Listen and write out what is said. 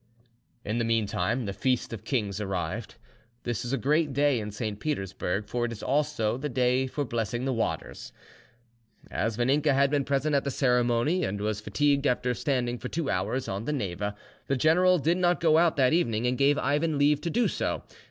In the meantime the Feast of Kings arrived. This is a great day in St. Petersburg, for it is also the day for blessing the waters. As Vaninka had been present at the ceremony, and was fatigued after standing for two hours on the Neva, the general did not go out that evening, and gave Ivan leave to do so.